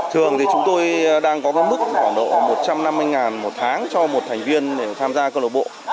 thường thì chúng tôi đang có mức khoảng độ một trăm năm mươi một tháng cho một thành viên để tham gia cơ lộc bộ